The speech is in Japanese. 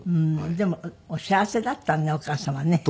でもお幸せだったのねお母様ね。と思います。